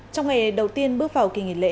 trong ngày đầu tiên bước vào kỳ nghỉ lễ